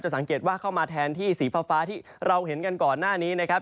สังเกตว่าเข้ามาแทนที่สีฟ้าที่เราเห็นกันก่อนหน้านี้นะครับ